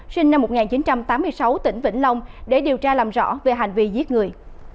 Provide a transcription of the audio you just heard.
sinh năm một nghìn chín trăm tám mươi sáu tỉnh vĩnh long để điều tra làm rõ về hành vi giết người